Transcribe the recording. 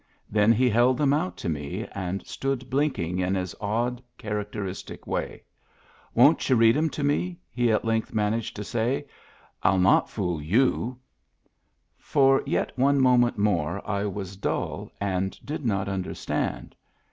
Then he held them out to me, and stood blinking in his odd, characteristic way. " Won't y'u read *em to me? " he at length managed to say. "I'll not ioolyou'^ For yet one moment more I was dull, and did not understand.